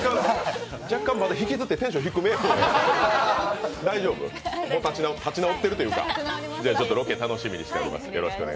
若干まだ引きずってテンション低めですね、大丈夫？立ち直っているというか、ロケ楽しみにしております。